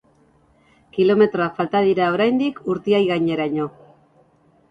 Kilometroak falta dira oraindik Urtiagaineraino.